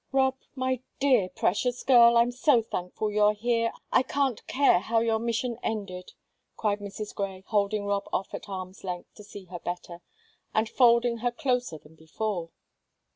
"Rob, my dear, precious girl, I'm so thankful you're here I can't care how your mission ended," cried Mrs. Grey, holding Rob off at arm's length to see her better, and folding her closer than before.